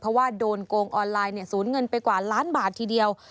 เพราะว่าโดนโกงออนไลน์สูญเงินไปกว่าล้านบาททีเดียว